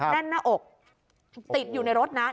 แน่นหน้าอกติดอยู่ในรถนะ